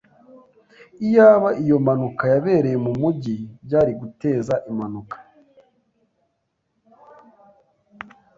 Iyaba iyo mpanuka yabereye mumujyi, byari guteza impanuka